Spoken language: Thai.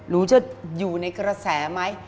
รู้จะอยู่ในกระแสไหม